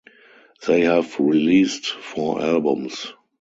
They have released four albums.